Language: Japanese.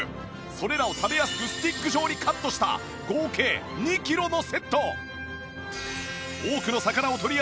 それらを食べやすくスティック状にカットした合計２キロのセット！